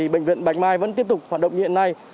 bệnh viện bạch mai vẫn tiếp tục hoạt động như hiện nay